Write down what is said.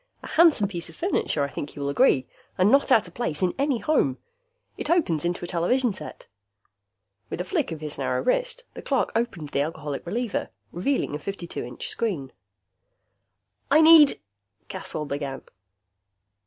A handsome piece of furniture, I think you will agree, and not out of place in any home. It opens into a television set." With a flick of his narrow wrist, the clerk opened the Alcoholic Reliever, revealing a 52 inch screen. "I need " Caswell began.